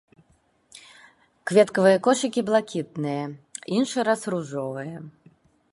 Кветкавыя кошыкі блакітныя, іншы раз ружовыя.